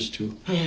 ええ